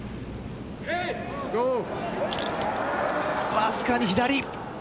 わずかに左。